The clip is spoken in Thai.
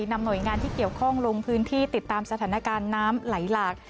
นำหน่วยงานที่เกี่ยวข้องลงพื้นที่ติดตามสถานการณ์น้ำไหลหลาก